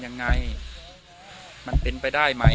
วันนี้ก็จะเป็นสวัสดีครับ